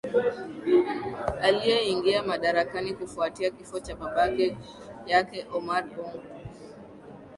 alieingia madarakani kufuatia kifo cha babake yake omar bongo